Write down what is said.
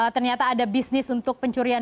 ternyata ada bisnis untuk pencurian